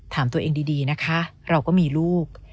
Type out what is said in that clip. ถามตัวเองดีนะคะเราก็มีลูก